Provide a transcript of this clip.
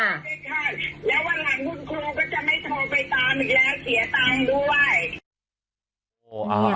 ไม่ใช่แล้ววันหลังคุณครูก็จะไม่โทรไปตามอีกแล้วเสียตังค์ด้วย